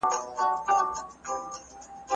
سياست هغه مهال د بېل علم په بڼه نه پېژندل کېده.